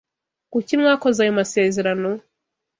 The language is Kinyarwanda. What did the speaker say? Kuki mwakoze ayo masezerano?